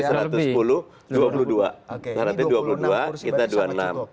syaratnya dua puluh dua kita dua puluh enam